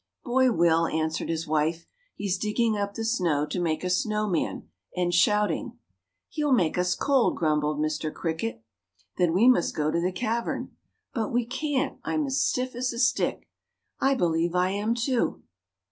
"Boy Will," answered his wife. "He's digging up the snow to make a snow man, and shouting." "He'll make us cold," grumbled Mr. Cricket. "Then we must go to the cavern." "But we can't I'm as stiff as a stick." "I believe I am, too."